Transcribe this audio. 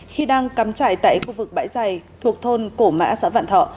khi đang cắm chạy tại khu vực bãi giày thuộc thôn cổ mã xã vạn thọ